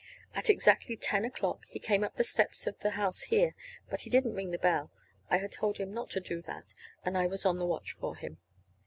At exactly ten o'clock he came up the steps of the house here, but he didn't ring the bell. I had told him not to do that, and I was on the watch for him.